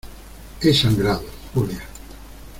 he sangrado, Julia.